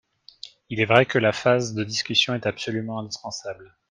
Il est vrai que la phase de discussion est absolument indispensable.